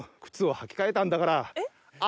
靴を履き替えたんだから。